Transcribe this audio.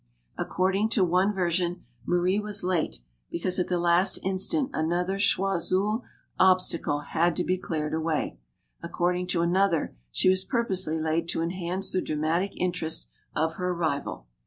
According to one version, Marie was late because at the last instant another Choiseul obtacle had to be cleared away. According to another, she was pur posely late to enhance the dramatic interest of her arrival.